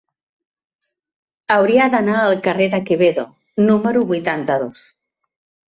Hauria d'anar al carrer de Quevedo número vuitanta-dos.